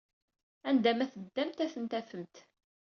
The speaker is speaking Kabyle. Anda ma teddamt ad ten-tafemt!